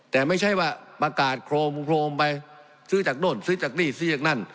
แต่ไม่ใช่ว่าประกาศโครมโครมไปซื้อจากโน่นซื้อจากนี่ซื้อจากนั่น